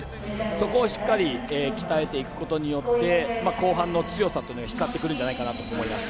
そこをしっかり鍛えていくことによって後半の強さというのは光ってくるんじゃないかなと思います。